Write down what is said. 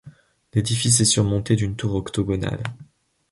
L'édifice est surmonté d'une tour octogonale.